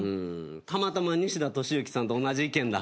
たまたま西田敏行さんと同じ意見だ。